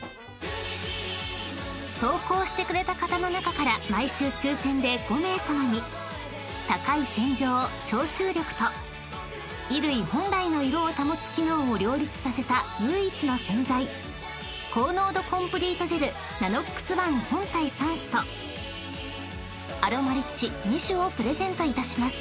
［投稿してくれた方の中から毎週抽選で５名さまに高い洗浄消臭力と衣類本来の色を保つ機能を両立させた唯一の洗剤高濃度コンプリートジェルＮＡＮＯＸｏｎｅ本体３種とアロマリッチ２種をプレゼントいたします］